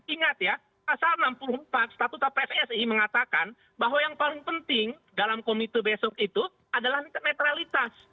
ingat ya pasal enam puluh empat statuta pssi mengatakan bahwa yang paling penting dalam komite besok itu adalah netralitas